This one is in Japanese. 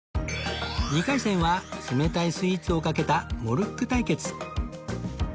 ２回戦は冷たいスイーツをかけたモルック対決